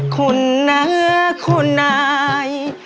คุณน้าคุณนาย